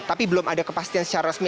tapi belum ada kepastian secara resmi